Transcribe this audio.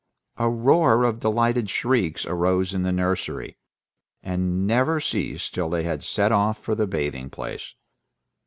A roar of delighted shrieks arose in the nursery, and never ceased till they had set off for the bathing place.